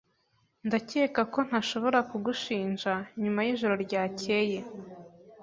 Ndakeka ko ntashobora kugushinja nyuma yijoro ryakeye.